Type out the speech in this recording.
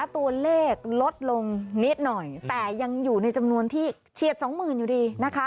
ตัวเลขลดลงนิดหน่อยแต่ยังอยู่ในจำนวนที่เฉียดสองหมื่นอยู่ดีนะคะ